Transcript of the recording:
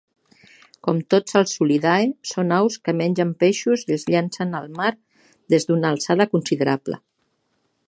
Com tots els Sulidae, són aus que mengen peixos i es llancen al mar des d'una alçada considerable.